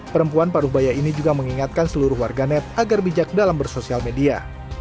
perempuan paruh baya ini juga mengingatkan seluruh warganet agar bijak dalam bersosial media